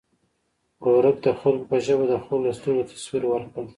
ورورک د خلکو په ژبه د خلکو له سترګو تصویر ورکړ.